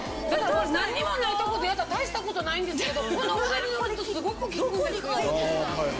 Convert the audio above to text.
何もないとこでやったら大したことないんですけどこの上でやるとすごく効くんですよ。